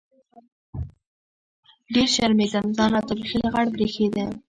ډېر شرمېدم ځان راته بيخي لغړ بريښېده.